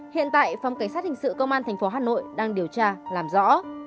hiện tại phòng cảnh sát hình sự công an tp hà nội đang điều tra làm rõ